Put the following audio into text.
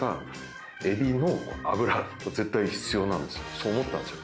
そう思ったんですよ。